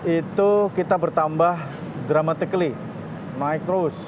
itu kita bertambah dramatically naik terus